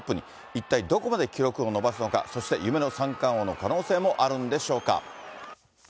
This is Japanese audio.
一体どこまで記録を伸ばすのか、そして夢の三冠王の可能性もあるんでしょうか。